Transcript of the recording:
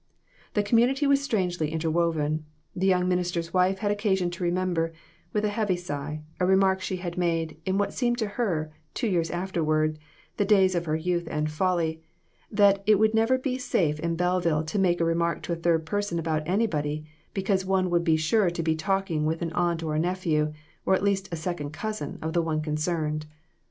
The community was strangely interwoven. The young minister's wife had occasion to remember, with a heavy sigh, a remark she had made, in what seemed to her, two years afterward, the days of her youth and folly, that it would never be safe in Belleville to make a remark to a third person about anybody, because one would be sure to be talking with an aunt or a nephew, or at least a second cousin of the one concerned.